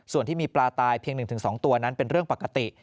ส่วนที่มีปลาตายเพียง๑๒ตัวนั้นเป็นเรื่องปกติ